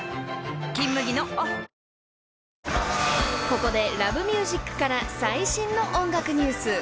［ここで『Ｌｏｖｅｍｕｓｉｃ』から最新の音楽ニュース］